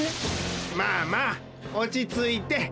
まあまあおちついて。